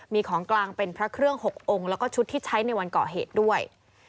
มีของกลางเป็นพระเครื่อง๖องค์แล้วก็ชุดที่ใช้ในวันก่อเหตุด้วย